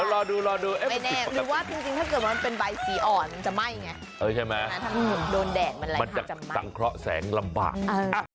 เออใช่ไหมมันจะตั้งเคราะห์แสงลำบากเออใช่ไหม